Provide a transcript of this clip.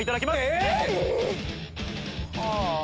えっ⁉